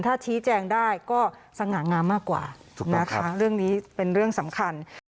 ถ้าชี้แจงได้ก็สง่างามมากกว่านะคะเรื่องนี้เป็นเรื่องสำคัญ